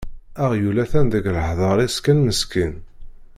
Aɣyul atan deg leḥder-is kan meskin.